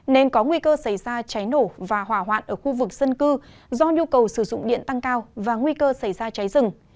nên có nguy cơ xảy ra cháy nổ và hỏa hoạn ở khu vực dân cư do nhu cầu sử dụng điện tăng cao và nguy cơ xảy ra cháy rừng